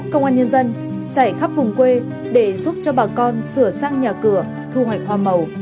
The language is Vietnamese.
công an nhân dân chạy khắp vùng quê để giúp cho bà con sửa sang nhà cửa thu hoạch hoa màu